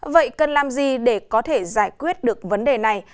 vậy cần làm gì để có thể giải quyết được vấn đề này